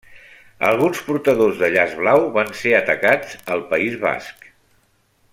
Alguns portadors de llaç blau van ser atacats, al País Basc.